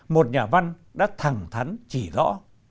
một nhà văn đã thẳng thắn chỉ rõ